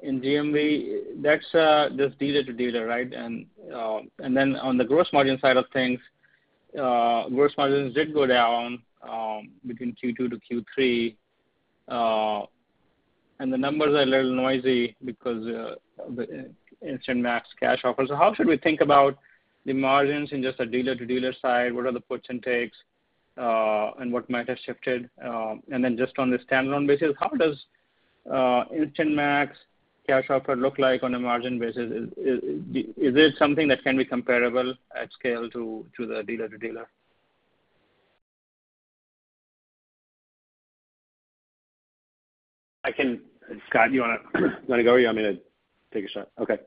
in GMV, that's just dealer to dealer, right? And then on the gross margin side of things, gross margins did go down between Q2 to Q3, and the numbers are a little noisy because the Instant Max Cash Offer. How should we think about the margins in just a dealer-to-dealer side? What are the puts and takes, and what might have shifted? And then just on the standalone basis, how does Instant Max Cash Offer look like on a margin basis? Is it something that can be comparable at scale to the dealer to dealer? Scot, you wanna go or you want me to take a shot? Okay.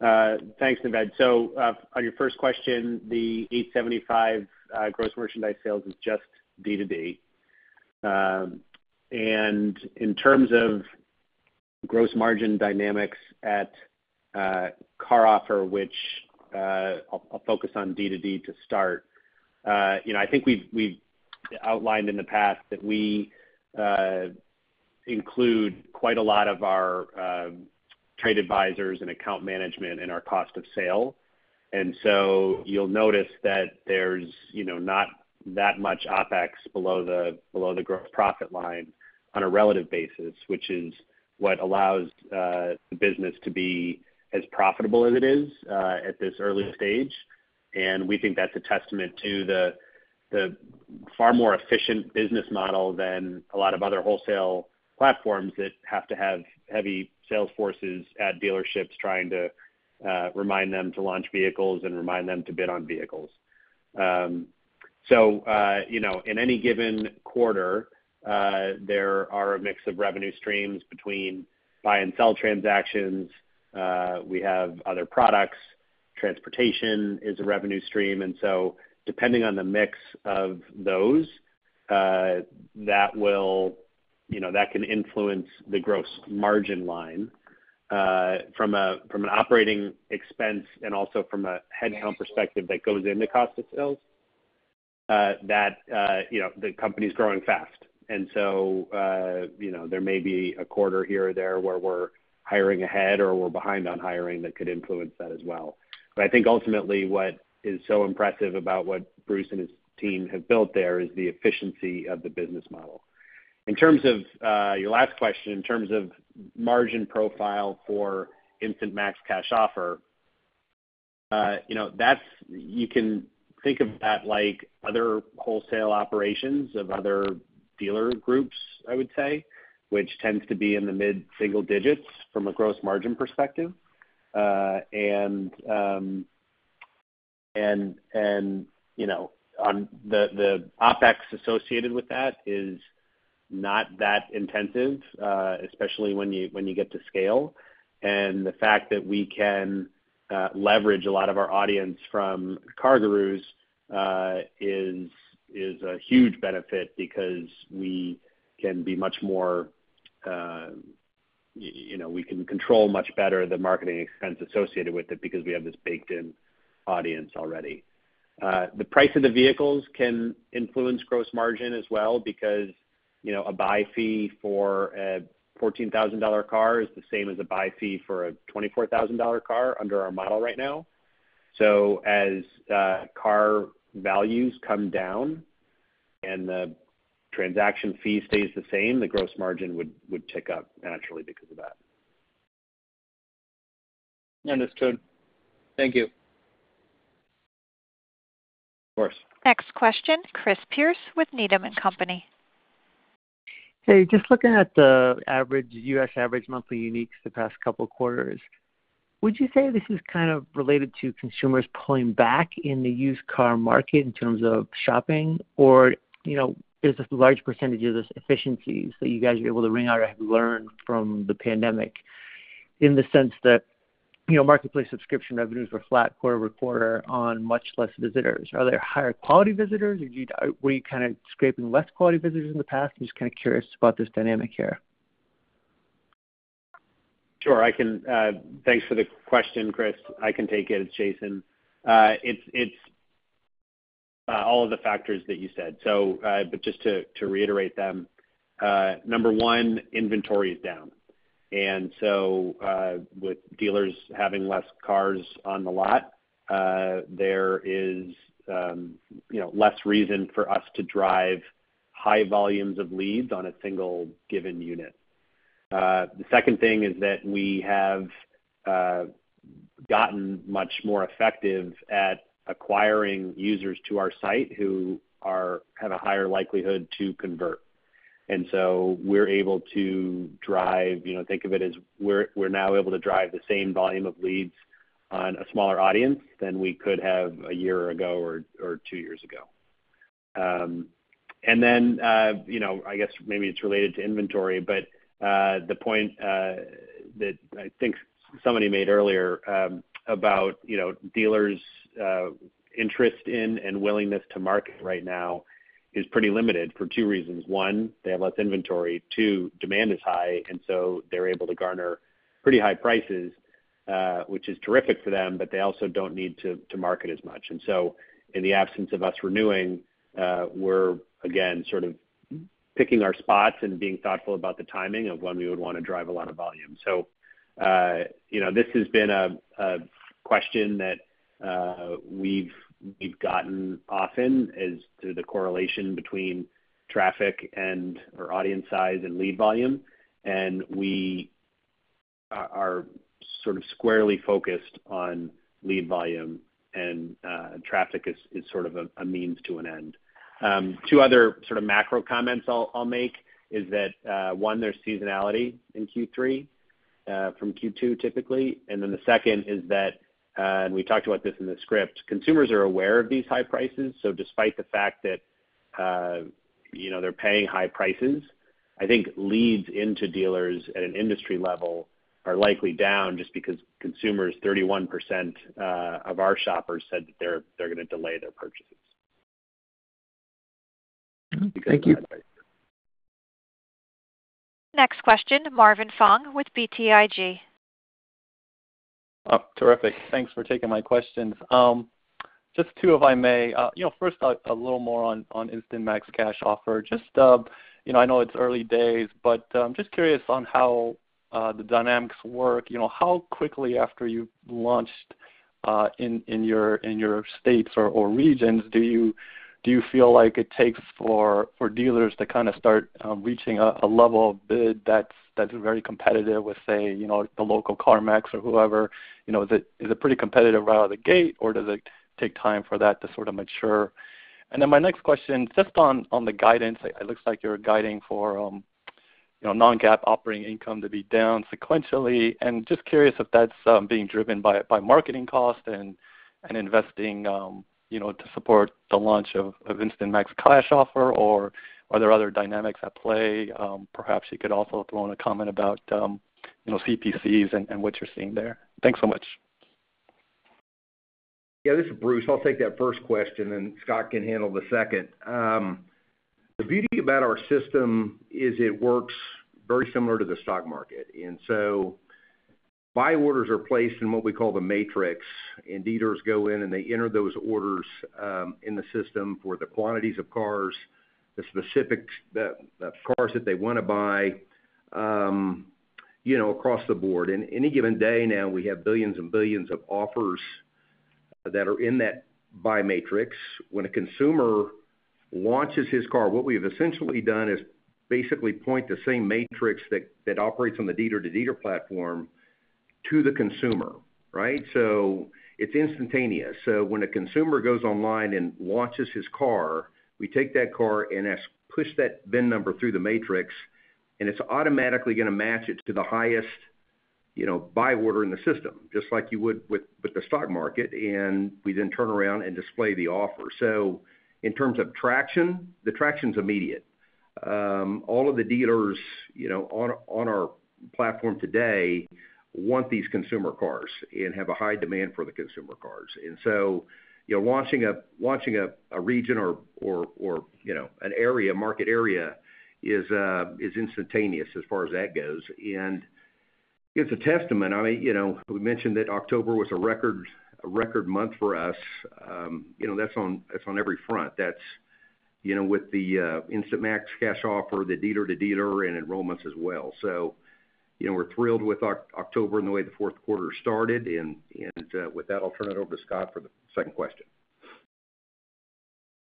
Thanks, Naved. On your first question, the $875 gross merchandise sales is just D2D. In terms of gross margin dynamics at CarOffer, which I'll focus on D2D to start. You know, I think we've outlined in the past that we include quite a lot of our trade advisors and account management in our cost of sale. You'll notice that there's you know, not that much OpEx below the gross profit line on a relative basis, which is what allows the business to be as profitable as it is at this early stage. We think that's a testament to the far more efficient business model than a lot of other wholesale platforms that have to have heavy sales forces at dealerships trying to remind them to launch vehicles and remind them to bid on vehicles. So, you know, in any given quarter, there are a mix of revenue streams between buy and sell transactions. We have other products. Transportation is a revenue stream. Depending on the mix of those, that will, you know, that can influence the gross margin line, from an operating expense and also from a headcount perspective that goes into cost of sales, that, you know, the company's growing fast. You know, there may be a quarter here or there where we're hiring ahead or we're behind on hiring that could influence that as well. I think ultimately what is so impressive about what Bruce and his team have built there is the efficiency of the business model. In terms of your last question, in terms of margin profile for Instant Max Cash Offer, you know, that's. You can think of that like other wholesale operations of other dealer groups, I would say, which tends to be in the mid single-digits from a gross margin perspective. And you know, on the OpEx associated with that is not that intensive, especially when you get to scale. The fact that we can leverage a lot of our audience from CarGurus is a huge benefit because we can be much more, you know, we can control much better the marketing expense associated with it because we have this baked in audience already. The price of the vehicles can influence gross margin as well because, you know, a buy fee for a $14,000 car is the same as a buy fee for a $24,000 car under our model right now. As car values come down and the transaction fee stays the same, the gross margin would tick up naturally because of that. Understood. Thank you. Of course. Next question, Chris Pierce with Needham & Company. Hey, just looking at the average U.S. average monthly uniques the past couple quarters, would you say this is kind of related to consumers pulling back in the used car market in terms of shopping? Or, you know, is this a large percentage of this efficiencies that you guys were able to wring out or have learned from the pandemic in the sense that, you know, marketplace subscription revenues were flat quarter-over-quarter on much less visitors. Are there higher quality visitors? Or were you kinda scraping less quality visitors in the past? I'm just kinda curious about this dynamic here. Sure. I can. Thanks for the question, Chris. I can take it. It's Jason. It's all of the factors that you said. But just to reiterate them, number one, inventory is down. With dealers having less cars on the lot, there is, you know, less reason for us to drive high volumes of leads on a single given unit. The second thing is that we have gotten much more effective at acquiring users to our site who have a higher likelihood to convert. We're able to drive, you know, think of it as we're now able to drive the same volume of leads on a smaller audience than we could have a year ago or two years ago. You know, I guess maybe it's related to inventory, but the point that I think somebody made earlier about you know dealers' interest in and willingness to market right now is pretty limited for two reasons. One, they have less inventory. Two, demand is high, and so they're able to garner pretty high prices, which is terrific for them, but they also don't need to market as much. In the absence of us renewing, we're again sort of picking our spots and being thoughtful about the timing of when we would wanna drive a lot of volume. You know, this has been a question that we've gotten often as to the correlation between traffic and or audience size and lead volume, and we are sort of squarely focused on lead volume and traffic is sort of a means to an end. Two other sort of macro comments I'll make is that one, there's seasonality in Q3. From Q2 typically. Then the second is that, and we talked about this in the script, consumers are aware of these high prices. Despite the fact that, you know, they're paying high prices, I think leads into dealers at an industry level are likely down just because consumers, 31% of our shoppers said that they're gonna delay their purchases. Thank you. Next question, Marvin Fong with BTIG. Oh, terrific. Thanks for taking my questions. Just two, if I may. You know, first, a little more on Instant Max Cash Offer. Just, you know, I know it's early days, but just curious on how the dynamics work. You know, how quickly after you've launched in your states or regions do you feel like it takes for dealers to kinda start reaching a level of bid that's very competitive with, say, you know, the local CarMax or whoever? You know, is it pretty competitive right out of the gate, or does it take time for that to sort of mature? Then my next question, just on the guidance. It looks like you're guiding for, you know, non-GAAP operating income to be down sequentially, and just curious if that's being driven by marketing costs and investing, you know, to support the launch of Instant Max Cash Offer, or are there other dynamics at play? Perhaps you could also throw in a comment about, you know, CPCs and what you're seeing there. Thanks so much. Yeah, this is Bruce. I'll take that first question, and Scot can handle the second. The beauty about our system is it works very similar to the stock market. Buy orders are placed in what we call the matrix, and dealers go in, and they enter those orders in the system for the quantities of cars, the specifics the cars that they wanna buy, you know, across the board. In any given day now, we have billions and billions of offers that are in that buy matrix. When a consumer launches his car, what we have essentially done is basically point the same matrix that operates on the dealer-to-dealer platform to the consumer, right? It's instantaneous. When a consumer goes online and launches his car, we take that car and push that VIN number through the matrix, and it's automatically gonna match it to the highest, you know, buy order in the system, just like you would with the stock market, and we then turn around and display the offer. In terms of traction, the traction's immediate. All of the dealers, you know, on our platform today want these consumer cars and have a high demand for the consumer cars. You know, launching a region or, you know, an area, market area is instantaneous as far as that goes. It's a testament. I mean, you know, we mentioned that October was a record month for us. You know, that's on every front. That's, you know, with the Instant Max Cash Offer, the dealer-to-dealer and enrollments as well. You know, we're thrilled with October and the way the fourth quarter started. With that, I'll turn it over to Scot for the second question.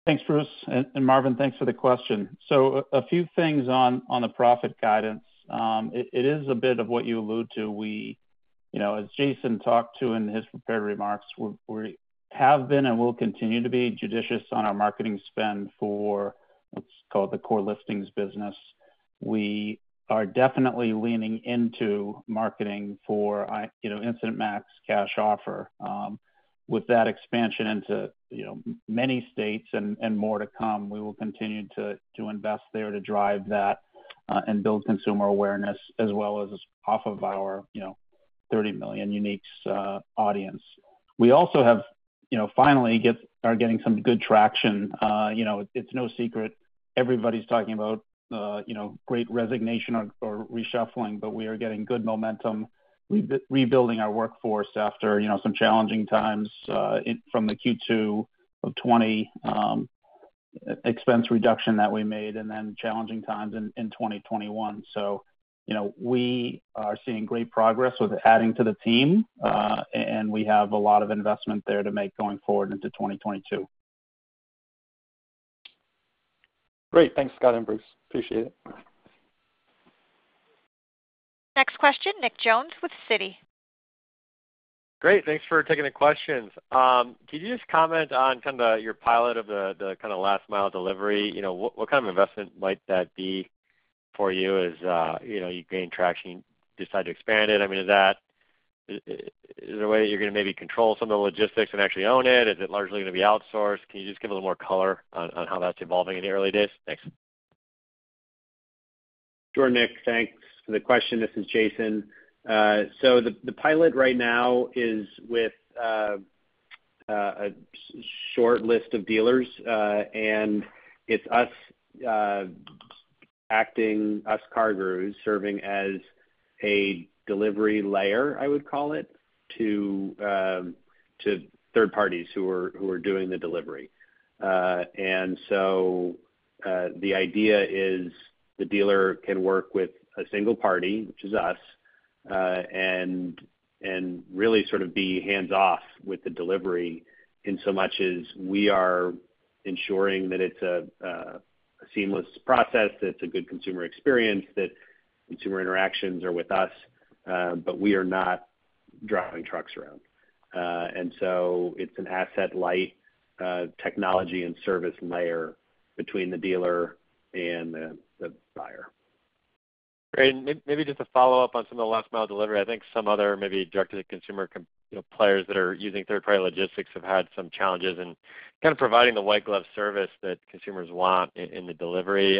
Thanks, Bruce. Marvin, thanks for the question. A few things on the profit guidance. It is a bit of what you allude to. You know, as Jason talked about in his prepared remarks, we have been and will continue to be judicious on our marketing spend for what's called the core listings business. We are definitely leaning into marketing for Instant Max Cash Offer. With that expansion into many states and more to come, we will continue to invest there to drive that and build consumer awareness as well as off of our 30 million uniques audience. We also have finally are getting some good traction. You know, it's no secret everybody's talking about, you know, Great Resignation or reshuffling, but we are getting good momentum rebuilding our workforce after, you know, some challenging times from the Q2 of 2020 expense reduction that we made and then challenging times in 2021. You know, we are seeing great progress with adding to the team, and we have a lot of investment there to make going forward into 2022. Great. Thanks, Scot and Bruce. Appreciate it. Next question, Nick Jones with Citi. Great. Thanks for taking the questions. Could you just comment on kind of your pilot of the kinda last mile delivery? You know, what kind of investment might that be for you as you know, you gain traction, decide to expand it? I mean, is there a way that you're gonna maybe control some of the logistics and actually own it? Is it largely gonna be outsourced? Can you just give a little more color on how that's evolving in the early days? Thanks. Sure, Nick. Thanks for the question. This is Jason. The pilot right now is with a short list of dealers, and it's us acting as CarGurus serving as a delivery layer, I would call it, to third parties who are doing the delivery. The idea is the dealer can work with a single party, which is us, and really sort of be hands-off with the delivery in so much as we are ensuring that it's a seamless process, that it's a good consumer experience, that consumer interactions are with us, but we are not. Driving trucks around. It's an asset-light technology and service layer between the dealer and the buyer. Great. Maybe just a follow-up on some of the last mile delivery. I think some other maybe direct-to-the-consumer you know, players that are using third-party logistics have had some challenges in kind of providing the white glove service that consumers want in the delivery.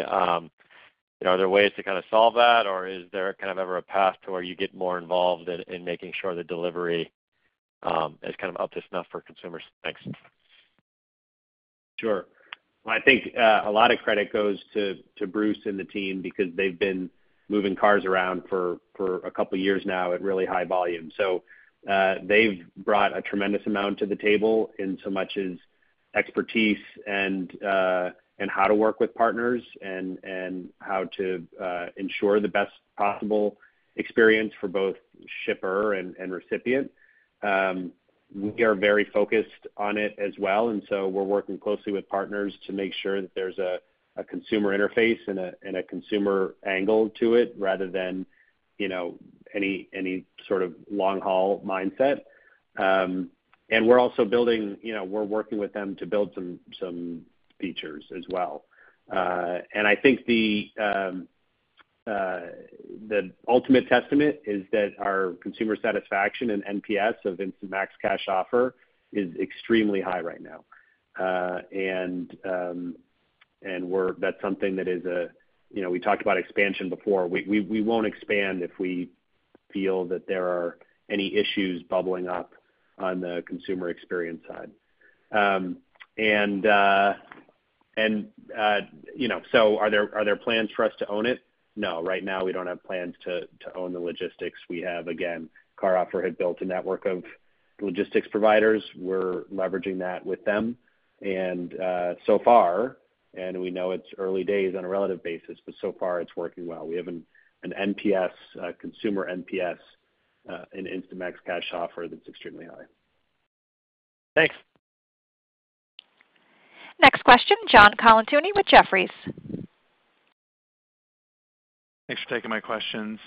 Are there ways to kinda solve that, or is there kind of ever a path to where you get more involved in making sure the delivery is kind of up to snuff for consumers? Thanks. Sure. I think a lot of credit goes to Bruce and the team because they've been moving cars around for a couple years now at really high volumes. They've brought a tremendous amount to the table in so much as expertise and how to work with partners and how to ensure the best possible experience for both shipper and recipient. We are very focused on it as well, and we're working closely with partners to make sure that there's a consumer interface and a consumer angle to it rather than, you know, any sort of long-haul mindset. We're also, you know, working with them to build some features as well. I think the ultimate testament is that our consumer satisfaction and NPS of Instant Max Cash Offer is extremely high right now. That's something that is a, you know, we talked about expansion before. We won't expand if we feel that there are any issues bubbling up on the consumer experience side. You know, are there plans for us to own it? No. Right now, we don't have plans to own the logistics. We have, again, CarOffer had built a network of logistics providers. We're leveraging that with them. So far, and we know it's early days on a relative basis, but so far it's working well. We have an NPS, a consumer NPS, in Instant Max Cash Offer that's extremely high. Thanks. Next question, John Colantuoni with Jefferies. Thanks for taking my questions.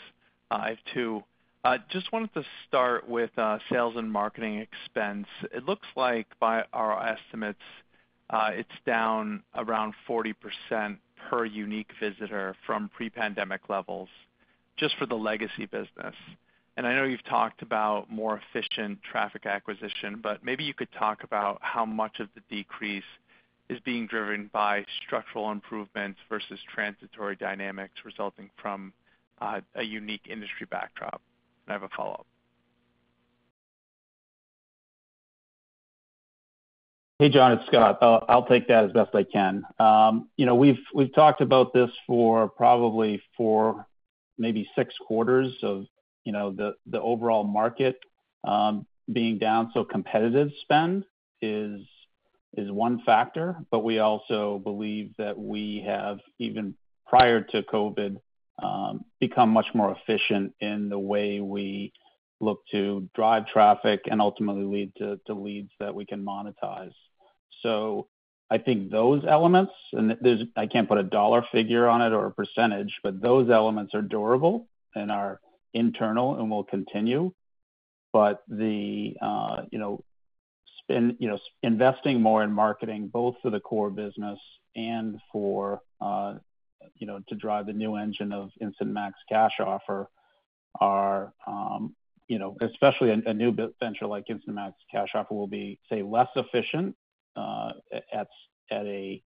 I have two. I just wanted to start with sales and marketing expense. It looks like by our estimates, it's down around 40% per unique visitor from pre-pandemic levels just for the legacy business. I know you've talked about more efficient traffic acquisition, but maybe you could talk about how much of the decrease is being driven by structural improvements versus transitory dynamics resulting from a unique industry backdrop. I have a follow-up. Hey, John, it's Scot. I'll take that as best I can. You know, we've talked about this for probably four, maybe six quarters of you know, the overall market being down. Competitive spend is one factor, but we also believe that we have, even prior to COVID, become much more efficient in the way we look to drive traffic and ultimately lead to leads that we can monetize. I think those elements, and I can't put a dollar figure on it or a percentage, but those elements are durable and are internal and will continue. The spend, you know, investing more in marketing, both for the core business and for, you know, to drive the new engine of Instant Max Cash Offer are, you know, especially a new venture like Instant Max Cash Offer will be, say, less efficient at an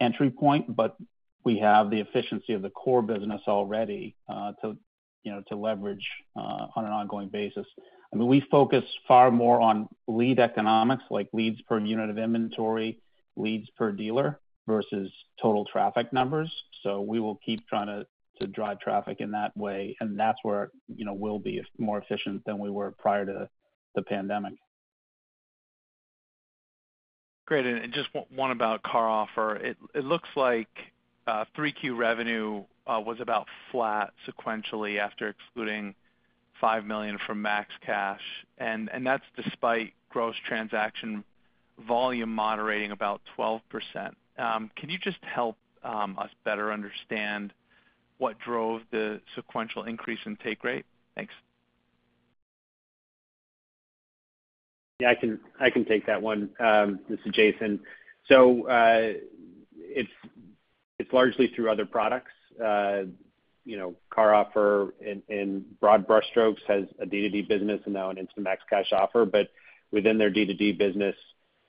entry point, but we have the efficiency of the core business already to, you know, to leverage on an ongoing basis. I mean, we focus far more on lead economics, like leads per unit of inventory, leads per dealer versus total traffic numbers. We will keep trying to drive traffic in that way, and that's where, you know, we'll be more efficient than we were prior to the pandemic. Great. Just one about CarOffer. It looks like 3Q revenue was about flat sequentially after excluding $5 million from Max Cash, and that's despite gross transaction volume moderating about 12%. Can you just help us better understand what drove the sequential increase in take rate? Thanks. Yeah, I can take that one. This is Jason. It's largely through other products. You know, CarOffer in broad brushstrokes has a D2D business and now an Instant Max Cash Offer. Within their D2D business,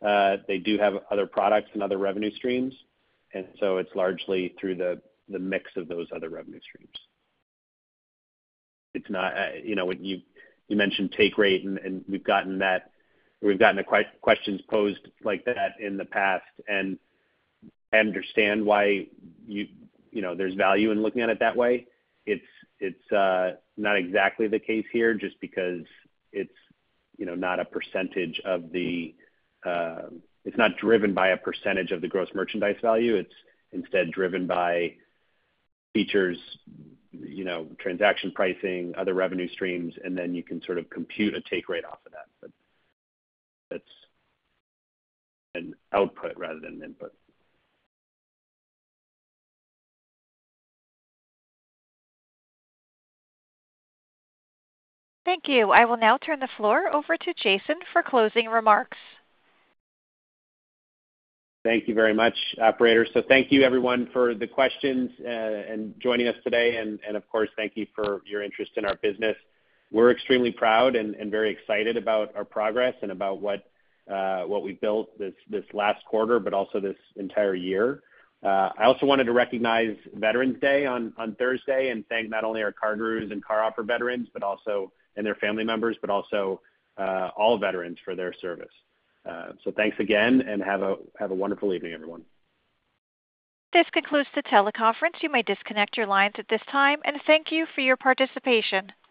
they do have other products and other revenue streams. It's largely through the mix of those other revenue streams. It's not, you know, when you mentioned take rate and we've gotten questions posed like that in the past, and I understand why you know there's value in looking at it that way. It's not exactly the case here just because it's, you know, not a percentage of the. It's not driven by a percentage of the gross merchandise value. It's instead driven by features, you know, transaction pricing, other revenue streams, and then you can sort of compute a take rate off of that. That's an output rather than an input. Thank you. I will now turn the floor over to Jason for closing remarks. Thank you very much, operator. Thank you everyone for the questions and joining us today. Of course, thank you for your interest in our business. We're extremely proud and very excited about our progress and about what we built this last quarter, but also this entire year. I also wanted to recognize Veterans Day on Thursday and thank not only our CarGurus and CarOffer veterans, but also their family members, but also all veterans for their service. Thanks again, and have a wonderful evening, everyone. This concludes the teleconference. You may disconnect your lines at this time, and thank you for your participation.